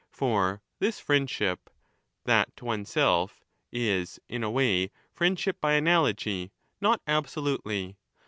For this friendship — that to oneself — is, in a way, friendship by analogy, not absolutely.